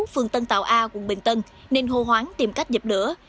phường tân tạo a quận bình tân nên hô hoáng tìm cách dập lửa